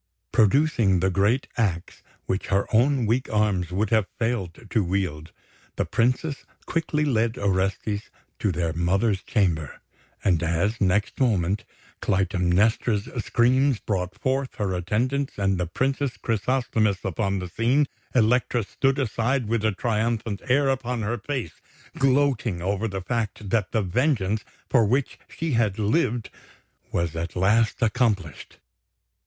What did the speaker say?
Producing the great axe which her own weak arms would have failed to wield, the Princess quickly led Orestes to their mother's chamber; and as, next moment, Clytemnestra's screams brought forth her attendants and the Princess Chrysosthemis upon the scene, Elektra stood aside with a triumphant air upon her face, gloating over the fact that the vengeance for which she had lived was at last accomplished.